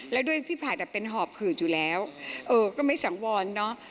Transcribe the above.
แล้วด้วยผิดผัดเป็นหอบขื่นอยู่แล้วเอ่อก็ไม่สังวนเนาะ